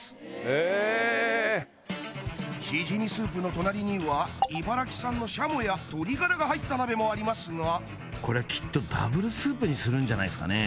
へぇしじみスープの隣には茨城産のしゃもや鶏ガラが入った鍋もありますがこれきっとダブルスープにするんじゃないっすかね